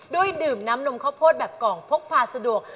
ดื่มน้ำนมข้าวโพดแบบกล่องพกพาสะดวก